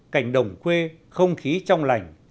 cảnh đồng quê không khí trong lành